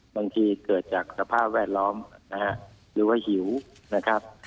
บางทีเกิดจากสภาพแวดล้อมหรือว่าหิวนะครับ